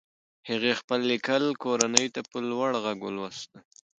هغې خپل لیکل کورنۍ ته په لوړ غږ لوستل.